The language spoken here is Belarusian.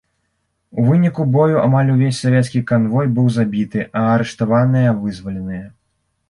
У выніку бою амаль увесь савецкі канвой быў забіты, а арыштаваныя вызваленыя.